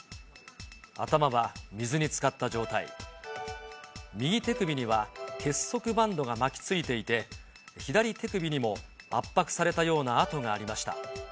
頭は水につかった状態、右手首には結束バンドが巻きついていて、左手首にも圧迫されたような痕がありました。